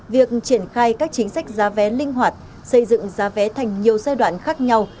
việc triển khai các chính sách giá vé linh hoạt xây dựng giá vé thành nhiều giai đoạn khác nhau